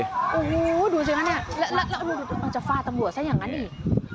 โอ้โหดูสิคะเนี่ยแล้วมันจะฟาดตำรวจซะอย่างนั้นอีก